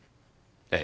ええ。